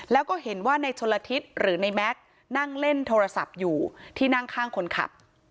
แล้วก็เห็นว่าในชนละทิศหรือในแม็กซ์นั่งเล่นโทรศัพท์อยู่ที่นั่งข้างคนขับ